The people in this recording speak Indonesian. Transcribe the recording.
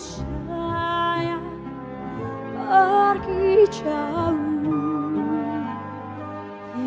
kalaupun banyak negeri ku jalani